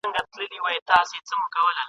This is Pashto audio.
قسمت درې واړه شته من په یوه آن کړل !.